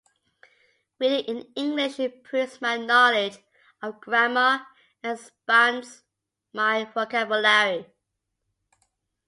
Reading in English improves my knowledge of grammar and expands my vocabulary.